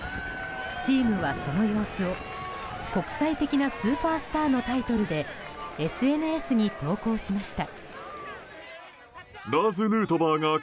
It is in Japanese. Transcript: チームはその様子を「国際的なスーパースター」のタイトルでＳＮＳに投稿しました。